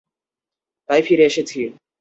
তাই ফিরে এসেছি।